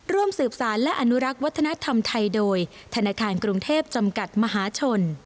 ร่วมสืบสารและอนุรักษ์วัฒนธรรมไทยโดยธนาคารกรุงเทพจำกัดมหาชน